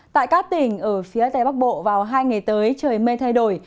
tại các tỉnh ở phía tây bắc bộ vào hai ngày tới trời mây thay đổi